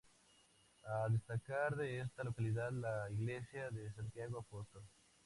A destacar de esta localidad la iglesia de Santiago Apóstol.